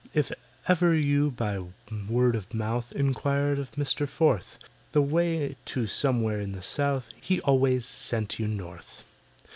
If ever you by word of mouth Inquired of MISTER FORTH The way to somewhere in the South, He always sent you North.